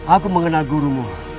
aku mengenal gurumu